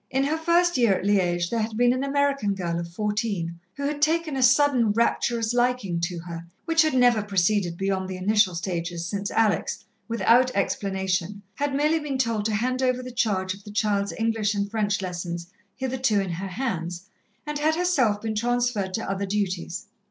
In her first year at Liège, there had been an American girl of fourteen who had taken a sudden rapturous liking to her, which had never proceeded beyond the initial stages, since Alex, without explanation, had merely been told to hand over the charge of the child's English and French lessons hitherto in her hands, and had herself been transferred to other duties.